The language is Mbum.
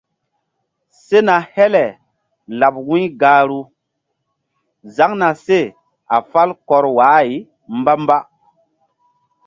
Sena hele laɓ wu̧y gahru zaŋna seh a fal kɔr wa-ay mbamba.